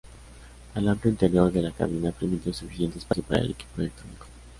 El amplio interior de la cabina permitió suficiente espacio para el equipo electrónico.